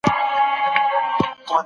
موږ د چاپیریال په پاک ساتلو بوخت یو.